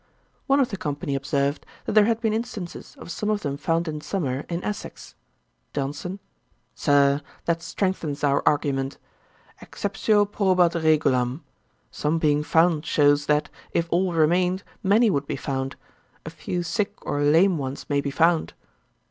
One of the company observed, that there had been instances of some of them found in summer in Essex. JOHNSON. 'Sir, that strengthens our argument. Exceptio probat regulam. Some being found shews, that, if all remained, many would be found. A few sick or lame ones may be found.'